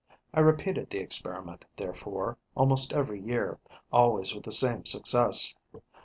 I repeated the experiment, therefore, almost every year, always with the same success.